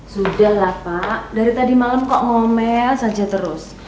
sudah lah pak dari tadi malam kok ngomel saja terus